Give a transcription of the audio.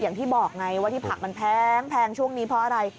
อย่างที่บอกไงว่าที่ผักมันแพงช่วงนี้เพราะอะไร